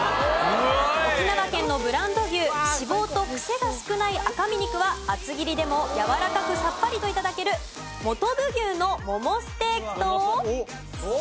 沖縄県のブランド牛脂肪とクセが少ない赤身肉は厚切りでもやわらかくさっぱりと頂けるもとぶ牛のモモステーキと。